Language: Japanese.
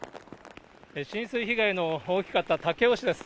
浸水被害の大きかった武雄市です。